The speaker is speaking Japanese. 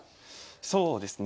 そうですね。